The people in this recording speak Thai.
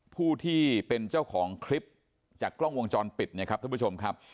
ผู้ที่จะเป็นเจ้าของคริปจากกร่องวงจรปิดครับ